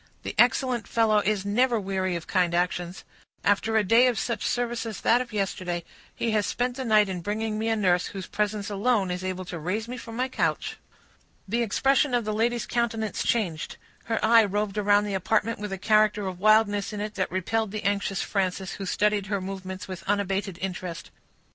"The excellent fellow is never weary of kind actions. After a day of such service as that of yesterday, he has spent the night in bringing me a nurse, whose presence alone is able to raise me from my couch." The expression of the lady's countenance changed; her eye roved around the apartment with a character of wildness in it that repelled the anxious Frances, who studied her movements with unabated interest.